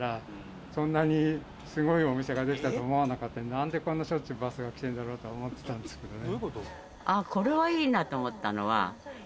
なんでこんなしょっちゅうバスが来てるんだろうとは思ってたんですけどね。